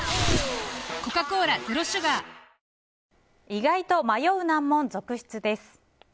意外と迷う難問、続出です。